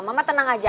mama tenang aja